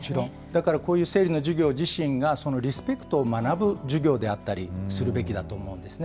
だからこういう生理の授業自身がそのリスペクトを学ぶ授業であったりするべきだと思うんですね。